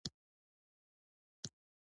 مځکه د حیواناتو د ژوند اساس ده.